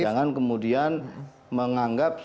jangan kemudian menganggap